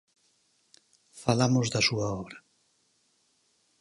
Falamos da súa obra.